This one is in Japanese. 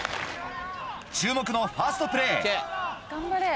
注目のファーストプレー。